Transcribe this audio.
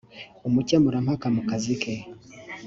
umukemurampaka mu kazi ke